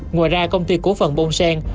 ngoài ra công ty cổ phần bôn sen